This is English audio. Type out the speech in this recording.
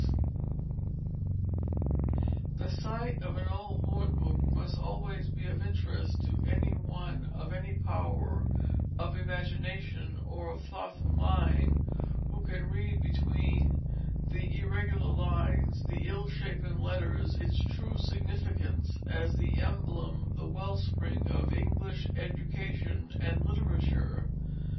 [Illustration: The Royal Battledore] The sight of an old hornbook must always be of interest to any one of any power of imagination or of thoughtful mind, who can read between the irregular lines, the ill shapen letters, its true significance as the emblem, the well spring of English education and literature.